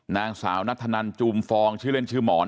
นางสาวนัทธนันจูมฟองชื่อเล่นชื่อหมอน